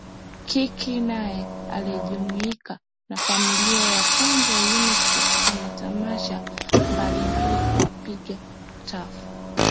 Kikii naye alijumuika na familia ya Kwanza Unit katika matamasha mbalimbali kuwapiga tafu